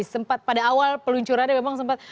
sempat pada awal peluncurannya memang sempat